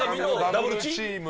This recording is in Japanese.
ダブルチーム？